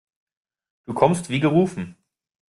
Du kommst wie gerufen.